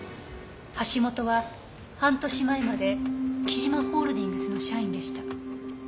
橋本は半年前まで貴島ホールディングスの社員でした。